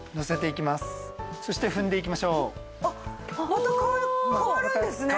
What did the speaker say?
また変わるんですね。